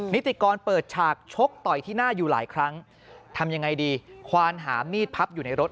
นิติกรเปิดฉากชกต่อยที่หน้าอยู่หลายครั้งทำยังไงดีควานหามมีดพับอยู่ในรถ